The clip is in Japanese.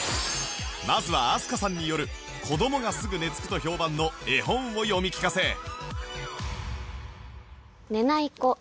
まずは飛鳥さんによる子どもがすぐ寝つくと評判の絵本を読み聞かせ